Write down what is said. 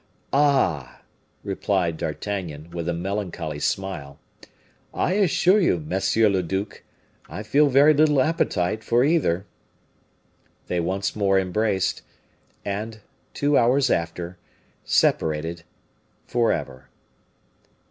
"Ah!" replied D'Artagnan, with a melancholy smile, "I assure you, monsieur le duc, I feel very little appetite for either." They once more embraced, and, two hours after, separated forever.